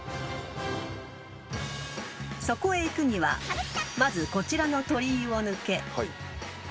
［そこへ行くにはまずこちらの鳥居を抜け］